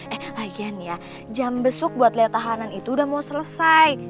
eh lagian ya jam besuk buat lihat tahanan itu udah mau selesai